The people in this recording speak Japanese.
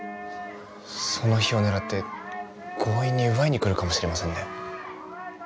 その日を狙って強引に奪いに来るかもしれませんね。